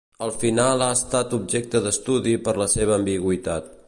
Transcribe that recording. El final ha estat objecte d'estudi per la seva ambigüitat.